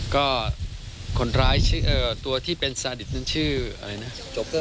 ก็คนร้ายตัวที่เป็นสาดิสชื่ออะไรน่ะ